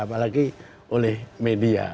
apalagi oleh media